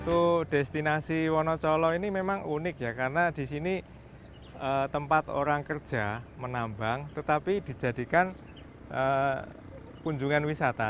untuk destinasi wonocolo ini memang unik ya karena di sini tempat orang kerja menambang tetapi dijadikan kunjungan wisata